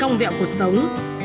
công vẹo cuộc sống